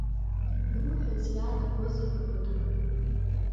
Иуҳәаз иаанагозеи бабаду?